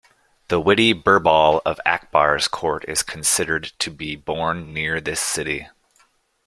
The witty Birbal of Akbar's court is considered to be born near this city.